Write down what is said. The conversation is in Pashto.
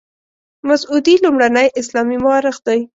مسعودي لومړنی اسلامي مورخ دی.